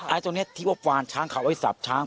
ตรงนี้ที่ว่าฟานช้างเขาไอ้สับช้าง